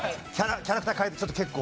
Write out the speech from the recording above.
キャラクター変えてちょっと結構。